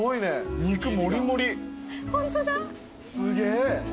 すげえ。